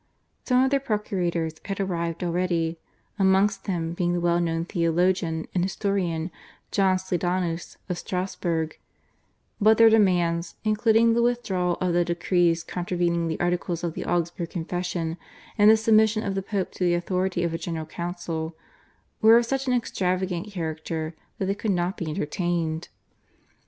Some of their procurators had arrived already, amongst them being the well known theologian and historian John Sleidanus of Strassburg, but their demands, including the withdrawal of the decrees contravening the articles of the Augsburg Confession and the submission of the Pope to the authority of a General Council, were of such an extravagant character that they could not be entertained.